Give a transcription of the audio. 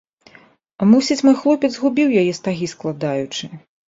Мусіць, мой хлопец згубіў яе, стагі складаючы.